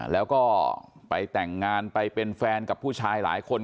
แล้วก็ไปแต่งงานไปเป็นแฟนกับผู้ชายหลายคน